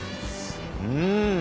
うん。